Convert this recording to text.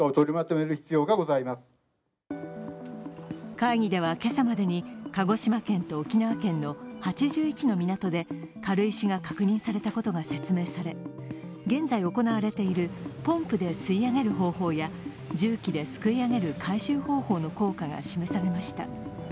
会議では今朝までに鹿児島県と沖縄県の８１の港で軽石が確認されたことが説明され、現在行われているポンプで吸い上げる方法や重機ですくい上げる回収方法の効果が示されました。